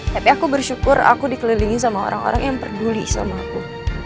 tapi aku bersyukur aku dikelilingi sama orang orang yang peduli sama aku